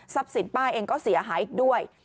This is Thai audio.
สินป้าเองก็เสียหายอีกด้วย